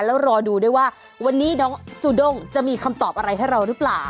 แล้วรอดูด้วยว่าวันนี้น้องจูด้งจะมีคำตอบอะไรให้เราหรือเปล่า